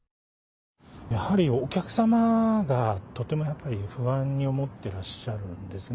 やはりお客様がとてもやっぱり不安に思ってらっしゃるんですね。